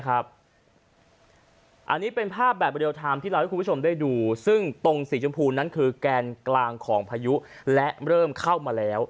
อันนี้เป็นภาพแบบเรียลไทม์ที่เราให้คุณผู้ชมได้ดูซึ่งตรงสีชมพูนั้นคือแกนกลางของพายุและเริ่มเข้ามาแล้ว